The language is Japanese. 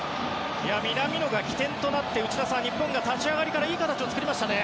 南野が起点となって内田さん日本が立ち上がりからいい形を作りましたね。